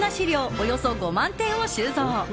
およそ５万点を収蔵。